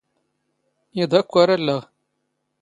ⵉⴹ ⴰⴽⴽⵯ ⴰⵔ ⴰⵍⵍⴰⵖ.